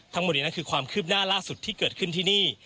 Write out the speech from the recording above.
ทั้งหมดนี้นั่นคือความคืบหน้าล่าสุดที่เกิดขึ้นที่นี่